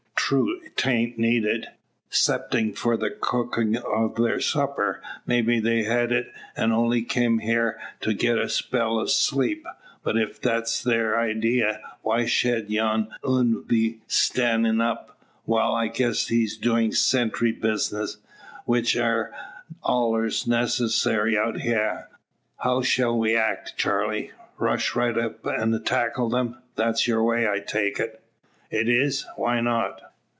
True 'tain't needed 'ceptin' for the cookin' o' thar supper. Maybe they've hed it, an' only kim hyar to get a spell o' sleep. But ef thet's thar idee why shed yon 'un be stannin' up. Wal; I guess, he's doin' sentry bizness, the which air allers needcessary out hyar. How shell we act, Charley? Rush right up an' tackle 'em? That's your way, I take it." "It is why not?"